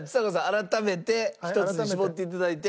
改めて１つに絞って頂いて。